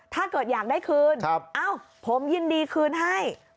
ถ้าเกิดอยากได้คืนเอ้าผมยินดีคืนให้